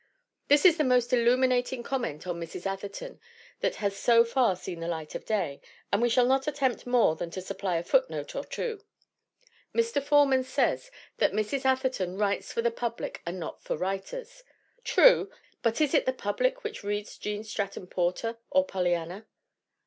This is the most illuminating comment on Mrs. Atherton that has so far seen the light of day, and we shall not attempt more than to supply a footnote or two. Mr. Forman says that Mrs. Atherton writes for the public and not for writers. True, but is it the public which reads Gene Stratton Porter or Polly anna ?